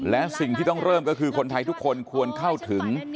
และสิ่งที่ต้องเริ่มก็คือคนไทยทุกคนควรเข้าถึง